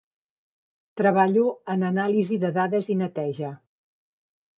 Treballo en anàlisi de dades i neteja.